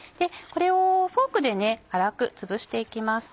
これをフォークで粗くつぶして行きます。